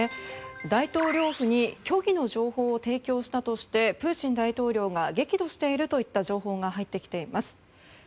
大統領府に虚偽の情報を提供したとしてプーチン大統領が激怒しているといった情報が入ってきています。